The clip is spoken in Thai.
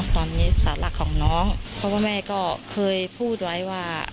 ตอนนี้สารหลักของน้องเพราะว่าแม่ก็เคยพูดไว้ว่า